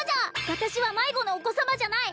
私は迷子のお子様じゃない！